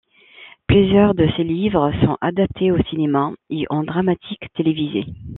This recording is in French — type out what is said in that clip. Plusieurs de ses livres sont adaptés au cinéma et en dramatiques télévisées.